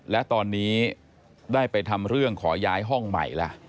และตอนนี้ได้ไปทำเรื่องขอย้ายห้องใหม่ล่ะ